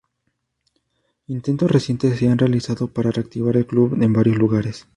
Intentos recientes se han realizado para reactivar el club en varios lugares.